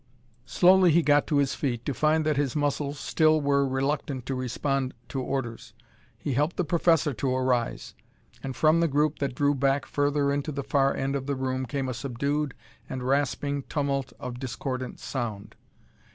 Slowly he got to his feet to find that his muscles still were reluctant to respond to orders; he helped the professor to arise. And from the group that drew back further into the far end of the room came a subdued and rasping tumult of discordant sound.